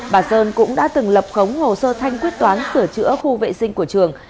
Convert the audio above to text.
bà sơn cũng đã từng lập khống hồ sơ thanh quyết toán sửa chữa khu vệ sinh của trường